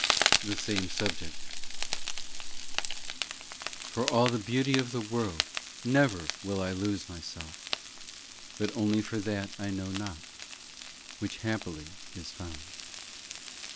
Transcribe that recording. THE SAME SUBJECT FOR all the beauty of the world Never will I lose myself, But only for that I know not, Which happily is found.